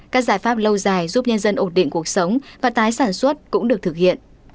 các giải pháp lâu dài giúp nhân dân ổn định cuộc sống và tái sản xuất cũng được thực hiện